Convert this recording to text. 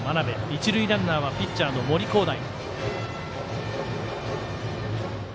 一塁ランナーはピッチャーの森煌誠。